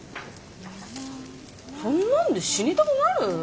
そんなんで死にたくなる？